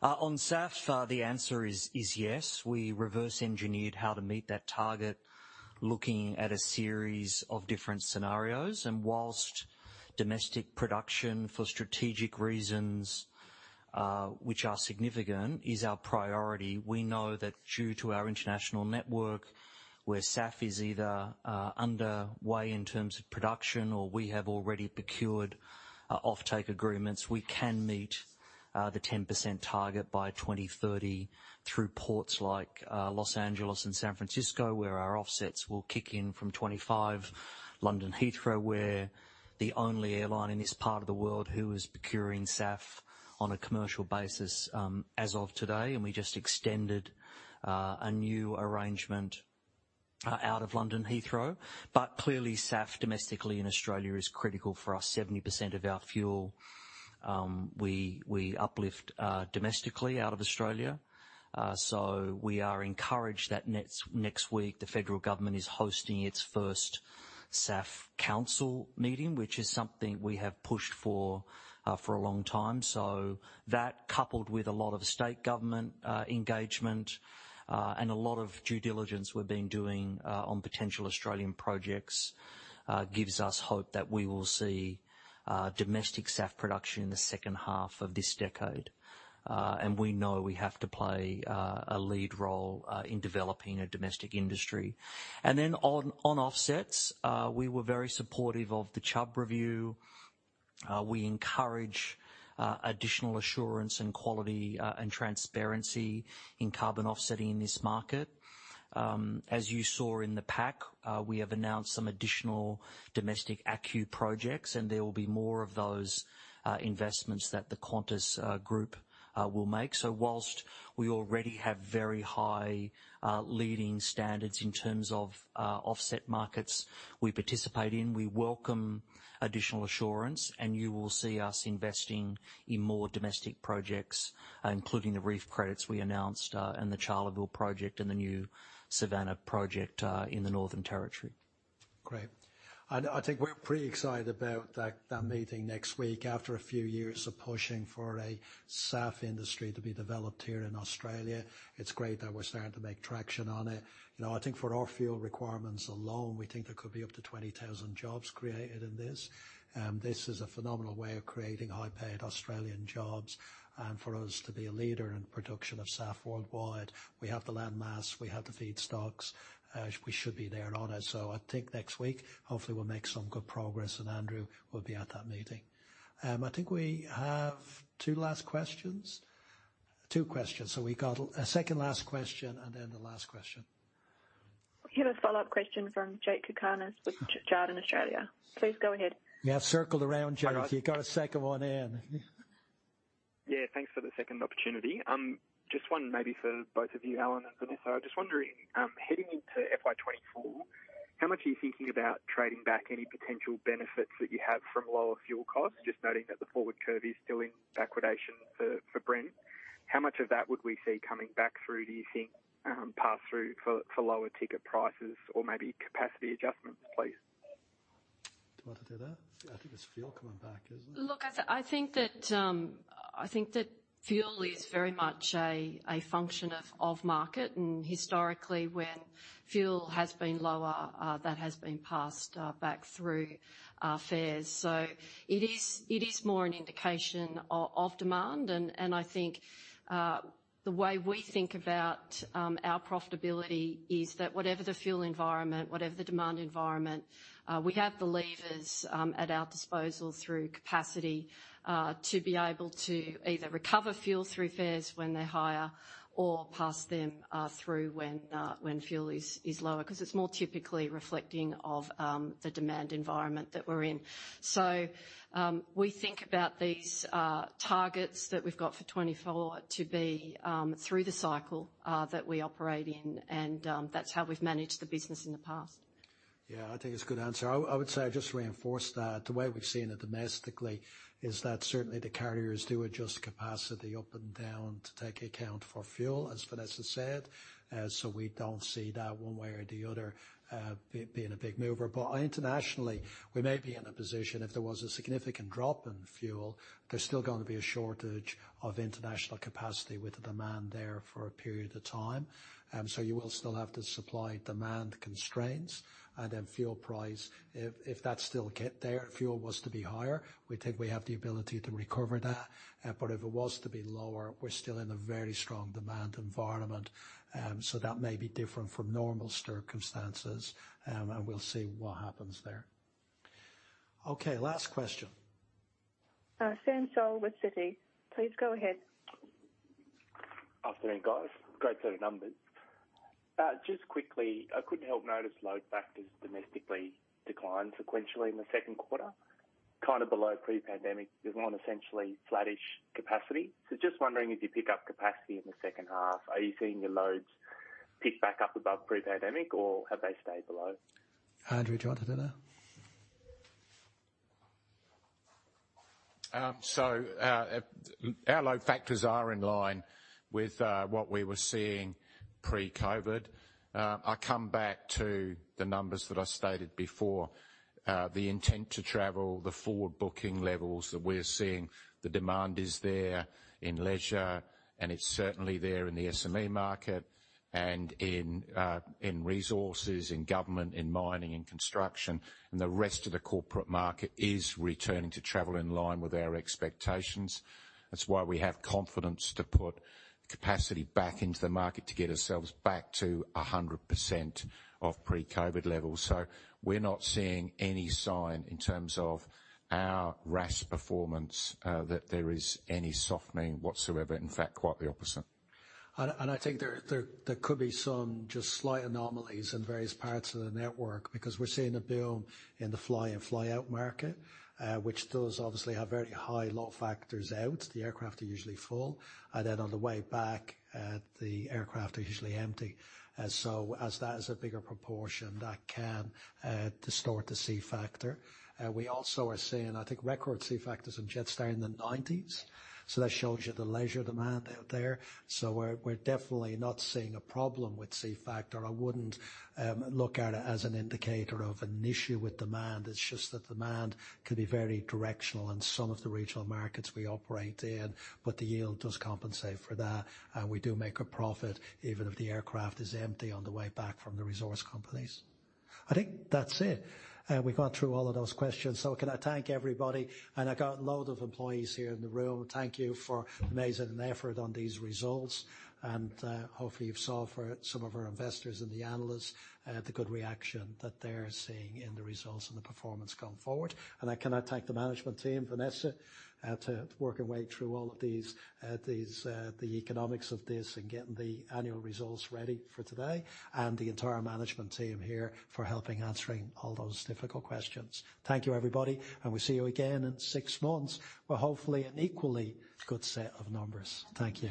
S17: On SAF, the answer is yes. We reverse engineered how to meet that target looking at a series of different scenarios. Whilst domestic production for strategic reasons, which are significant, is our priority. We know that due to our international ne2rk, where SAF is either underway in terms of production or we have already procured offtake agreements, we can meet the 10% target by 2030 through ports like Los Angeles and San Francisco, where our offsets will kick in from 2025. London Heathrow, we're the only airline in this part of the world who is procuring SAF on a commercial basis as of today. We just extended a new arrangement out of London Heathrow. Clearly, SAF domestically in Australia is critical for us. 70% of our fuel, we uplift domestically out of Australia. We are encouraged that next week, the federal government is hosting its first SAF council meeting, which is something we have pushed for a long time. That, coupled with a lot of state government engagement, and a lot of due diligence we've been doing on potential Australian projects, gives us hope that we will see domestic SAF production in the second 1/2 of this decade. We know we have to play a lead role in developing a domestic industry. On offsets, we were very supportive of the Chubb Review. We encourage additional assurance and quality, and transparency in carbon offsetting in this market. As you saw in the pack, we have announced some additional domestic ACU projects, and there will be more of those investments that the Qantas Group will make. Whilst we already have very high leading standards in terms of offset markets we participate in, we welcome additional assurance, and you will see us investing in more domestic projects, including the Reef Credits we announced, and the Charleville project and the new Savannah project in the Northern Territory.
S2: Great. I think we're pretty excited about that meeting next week. After a few years of pushing for a SAF industry to be developed here in Australia, it's great that we're starting to make traction on it. I think for our fuel requirements alone, we think there could be up to 20,000 jobs created in this. This is a phenomenal way of creating High-Paid Australian jobs and for us to be a leader in production of SAF worldwide. We have the land mass, we have the feedstocks, we should be there on it. I think next week, hopefully we'll make some good progress, and Andrew will be at that meeting. I think we have 2 last questions. 2 questions. We got a second to last question and then the last question.
S3: We have a follow-up question from Jakob Cakarnis with Jarden Australia. Please go ahead.
S2: Yeah, circled around, Jake.
S4: Hi, guys.
S2: You got a second one in.
S4: Yeah. Thanks for the second opportunity. Just one maybe for both of you, Alan and Vanessa. I'm just wondering, heading into FY 2024, how much are you thinking about trading back any potential benefits that you have from lower fuel costs? Just noting that the forward curve is still in backwardation for Brent. How much of that would we see coming back through, do you think, pass through for lower ticket prices or maybe capacity adjustments, please?
S2: Do you want to do that? I think it's fuel coming back, isn't it?
S7: Look, I think that fuel is very much a function of market. Historically, when fuel has been lower, that has been passed back through fares. It is more an indication of demand. I think the way we think about our profitability is that whatever the fuel environment, whatever the demand environment, we have the levers at our disposal through capacity to be able to either recover fuel through fares when they're higher or pass them through when fuel is lower. 'Cause it's more typically reflecting of the demand environment that we're in. We think about these targets that we've got for 2024 to be through the cycle that we operate in and that's how we've managed the business in the past.
S2: Yeah, I think it's a good answer. I would say I just reinforce that. The way we've seen it domestically is that certainly the carriers do adjust capacity up and down to take account for fuel, as Vanessa said. We don't see that one way or the other, being a big mover. Internationally, we may be in a position if there was a significant drop in fuel, there's still gonna be a shortage of international capacity with the demand there for a period of time. You will still have the supply-demand constraints and then fuel price. If that's still get there, fuel was to be higher, we think we have the ability to recover that. If it was to be lower, we're still in a very strong demand environment. That may be different from normal circumstances. We'll see what happens there. Okay, last question.
S3: Samuel Seow with Citi. Please go ahead.
S18: Afternoon, guys. Great set of numbers. Just quickly, I couldn't help notice load factors domestically declined sequentially in the second 1/4, kind of below pre-pandemic. There's 1 essentially flattish capacity. Just wondering if you pick up capacity in the second 1/2, are you seeing your loads pick back up above pre-pandemic or have they stayed below?
S2: Andrew, do you want to do that?
S5: Our load factors are in line with what we were seeing pre-COVID. I come back to the numbers that I stated before, the intent to travel, the forward booking levels that we're seeing, the demand is there in leisure, and it's certainly there in the SME market and in resources, in government, in mining, in construction, and the rest of the corporate market is returning to travel in line with our expectations. That's why we have confidence to put capacity back into the market to get ourselves back to 100% of pre-COVID levels. We're not seeing any sign in terms of our RASK performance that there is any softening whatsoever. In fact, quite the opposite.
S2: I think there could be some just slight anomalies in various parts of the network because we're seeing a boom in the fly-in, fly-out market, which those obviously have very high load factors out. The aircraft are usually full, and then on the way back, the aircraft are usually empty. As that is a bigger proportion, that can distort the C factor. We also are seeing, I think, record C factors on Jetstar in the 90s. That shows you the leisure demand out there. We're definitely not seeing a problem with C factor. I wouldn't look at it as an indicator of an issue with demand. It's just that demand can be very directional in some of the regional markets we operate in, but the yield does compensate for that, and we do make a profit even if the aircraft is empty on the way back from the resource companies. I think that's it. We've gone through all of those questions. Can I thank everybody, and I got load of employees here in the room. Thank you for amazing effort on these results and, hopefully you've saw for some of our investors and the analysts, the good reaction that they're seeing in the results and the performance going forward. Can I thank the management team, Vanessa, to work your way through all of these, the economics of this and getting the annual results ready for today and the entire management team here for helping answering all those difficult questions. Thank you, everybody, and we'll see you again in six months for hopefully an equally good set of numbers. Thank you.